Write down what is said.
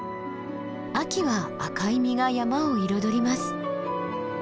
秋は赤い実が山を彩ります。